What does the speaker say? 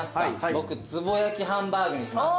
僕つぼ焼きハンバーグにします。